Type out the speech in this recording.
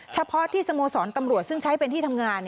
เฉพาะที่สโมสรตำรวจซึ่งใช้เป็นที่ทำงาน